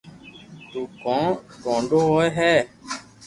تو ڪون گوڌو ھوئي ھي